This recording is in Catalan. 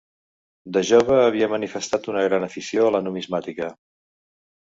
De jove havia manifestat una gran afició a la numismàtica.